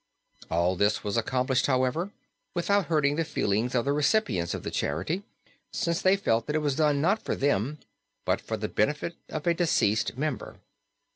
All of this was accomplished, however, without hurting the feelings of the recipients of the charity, since they felt that it was done not for them but for the benefit of a deceased member.